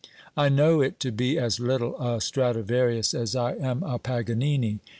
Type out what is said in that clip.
I know it to be as little a Stradivarius as I am a Paganini.